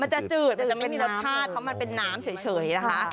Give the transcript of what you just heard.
จะจืดมันจะไม่มีรสชาติเพราะมันเป็นน้ำเฉยนะคะ